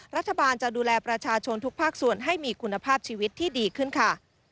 รัฐบาลจะดูแลประชาชนทุกภาคส่วนให้มีคุณภาพชีวิตที่ดีขึ้นค่ะ